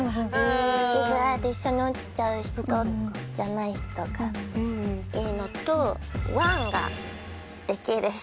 引きずられて一緒に落ちちゃう人じゃない人がいいのと「ワン」ができる人。